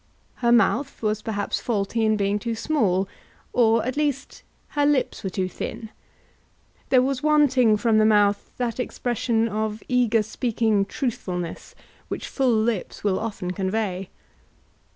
Her mouth was perhaps faulty in being too small, or, at least, her lips were too thin. There was wanting from the mouth that expression of eager speaking truthfulness which full lips will often convey.